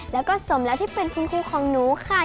แล้วก็สมแล้วที่เป็นคุณครูของหนูค่ะ